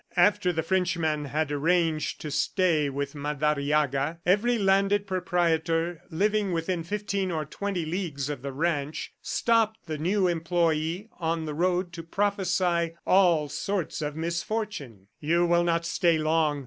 After the Frenchman had arranged to stay with Madariaga, every landed proprietor living within fifteen or twenty leagues of the ranch, stopped the new employee on the road to prophesy all sorts of misfortune. "You will not stay long.